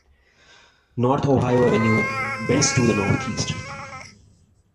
North Ohio Avenue bends to the northeast.